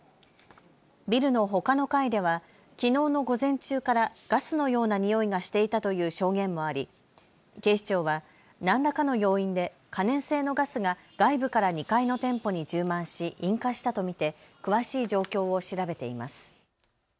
ビルのほかの階ではきのうの午前中からガスのようなにおいがしていたという証言もあり警視庁は何らかの要因で可燃性のガスが外部から２階の店舗に充満し引火したと見て詳しい状況を調べています。